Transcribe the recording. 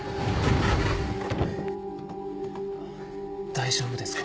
大丈夫ですか？